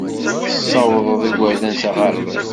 Tessawḍed igerdan s aɣerbaz.